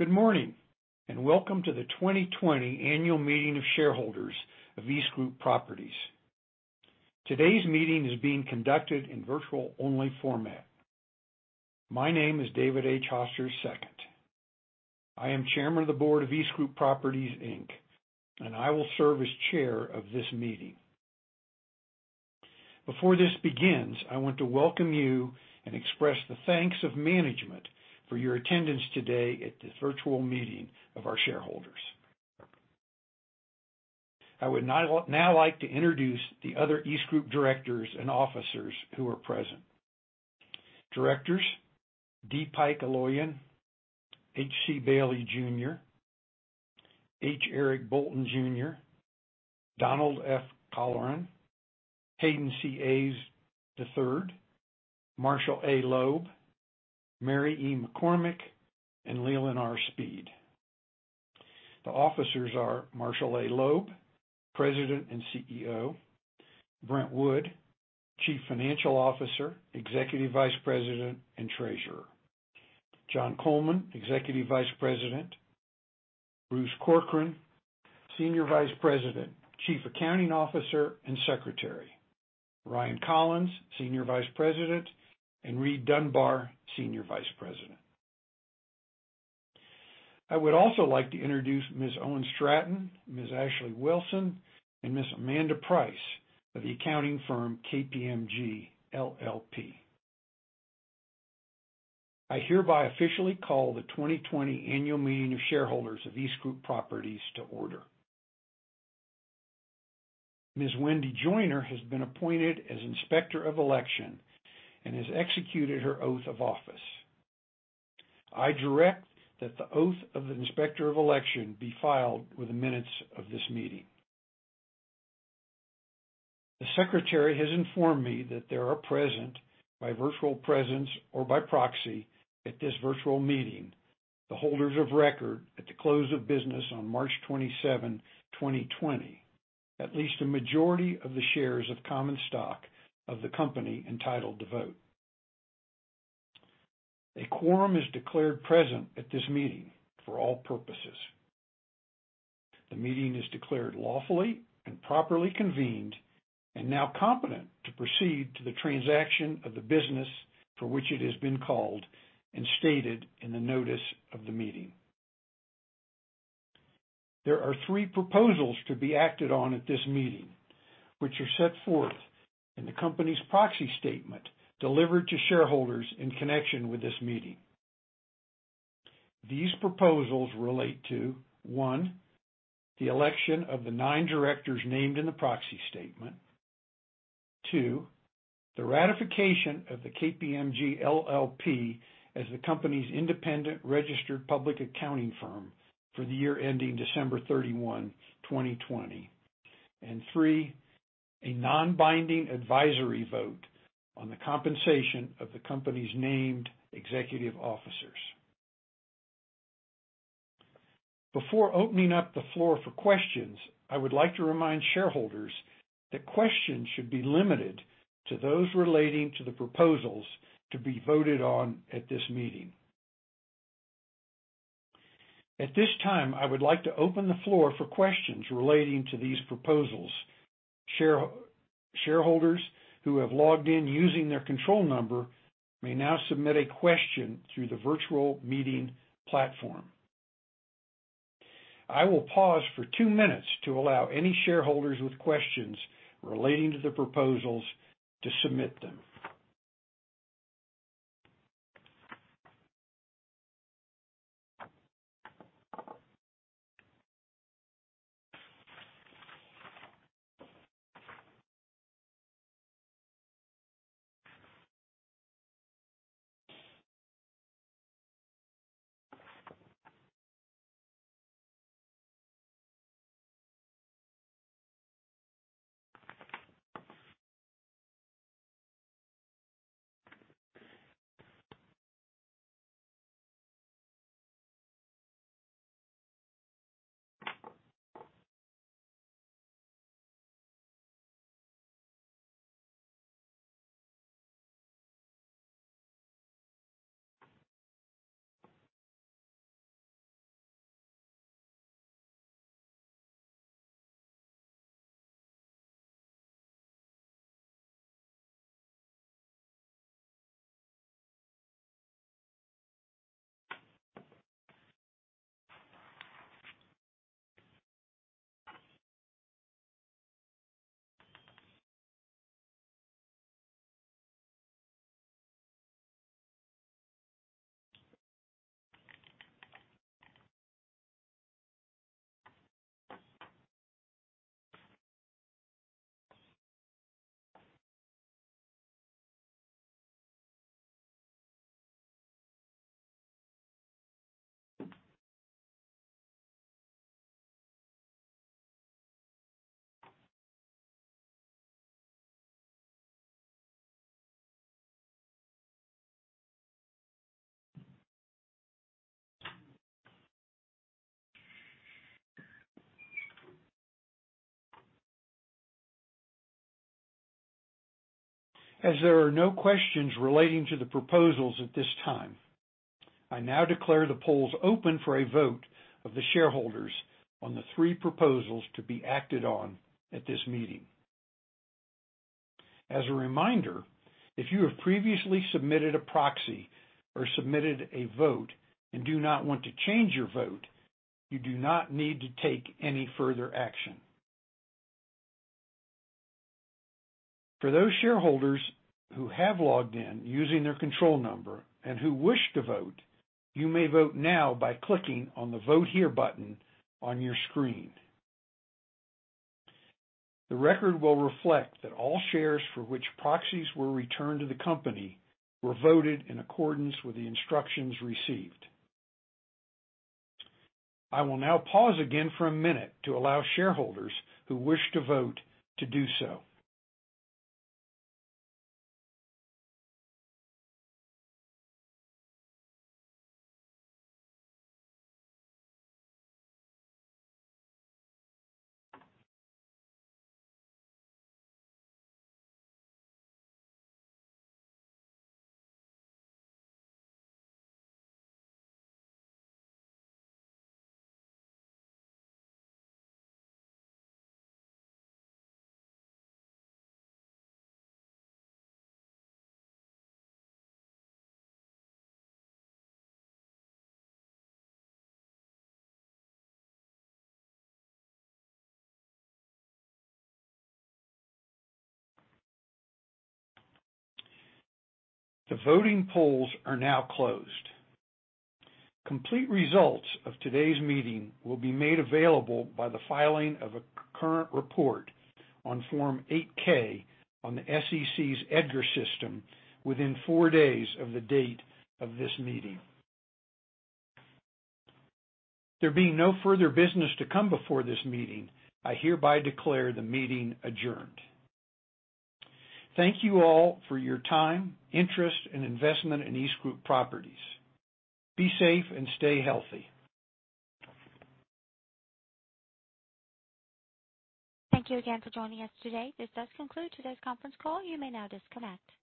Good morning, and welcome to the 2020 Annual Meeting of Shareholders of EastGroup Properties. Today's meeting is being conducted in virtual-only format. My name is David H. Hoster II. I am Chairman of the Board of EastGroup Properties Inc., and I will serve as Chair of this meeting. Before this begins, I want to welcome you and express the thanks of management for your attendance today at this virtual meeting of our shareholders. I would now like to introduce the other EastGroup directors and officers who are present. Directors, D. Pike Aloian, H.C. Bailey, Jr., H. Eric Bolton, Jr., Donald F. Colleran, Hayden C. Eaves III, Marshall A. Loeb, Mary E. McCormick, and Leland R. Speed. The officers are Marshall A. Loeb, President and CEO, Brent Wood, Chief Financial Officer, Executive Vice President, and Treasurer, John Coleman, Executive Vice President, Bruce Corkern, Senior Vice President, Chief Accounting Officer, and Secretary, Ryan Collins, Senior Vice President, and Reid Dunbar, Senior Vice President. I would also like to introduce Ms. Owen Stratton, Ms. Ashley Wilson, and Ms. Amanda Price of the accounting firm KPMG LLP. I hereby officially call the 2020 Annual Meeting of Shareholders of EastGroup Properties to order. Ms. Wendy Joiner has been appointed as Inspector of Election and has executed her oath of office. I direct that the oath of the Inspector of Election be filed with the minutes of this meeting. The Secretary has informed me that there are present, by virtual presence or by proxy at this virtual meeting, the holders of record at the close of business on March 27, 2020, at least a majority of the shares of common stock of the company entitled to vote. A quorum is declared present at this meeting for all purposes. The meeting is declared lawfully and properly convened and now competent to proceed to the transaction of the business for which it has been called and stated in the notice of the meeting. There are three proposals to be acted on at this meeting, which are set forth in the company's proxy statement delivered to shareholders in connection with this meeting. These proposals relate to, one, the election of the nine directors named in the proxy statement, two, the ratification of the KPMG LLP as the company's independent registered public accounting firm for the year ending December 31, 2020, and three, a non-binding advisory vote on the compensation of the company's named executive officers. Before opening up the floor for questions, I would like to remind shareholders that questions should be limited to those relating to the proposals to be voted on at this meeting. At this time, I would like to open the floor for questions relating to these proposals. Shareholders who have logged in using their control number may now submit a question through the virtual meeting platform. I will pause for two minutes to allow any shareholders with questions relating to the proposals to submit them. As there are no questions relating to the proposals at this time, I now declare the polls open for a vote of the shareholders on the three proposals to be acted on at this meeting. As a reminder, if you have previously submitted a proxy or submitted a vote and do not want to change your vote, you do not need to take any further action. For those shareholders who have logged in using their control number and who wish to vote, you may vote now by clicking on the Vote Here button on your screen. The record will reflect that all shares for which proxies were returned to the company were voted in accordance with the instructions received. I will now pause again for a minute to allow shareholders who wish to vote to do so. The voting polls are now closed. Complete results of today's meeting will be made available by the filing of a current report on Form 8-K on the SEC's EDGAR system within four days of the date of this meeting. There being no further business to come before this meeting, I hereby declare the meeting adjourned. Thank you all for your time, interest, and investment in EastGroup Properties. Be safe and stay healthy. Thank you again for joining us today. This does conclude today's conference call. You may now disconnect.